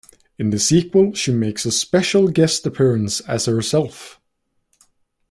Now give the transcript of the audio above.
In the sequel, she makes a special guest appearance as herself.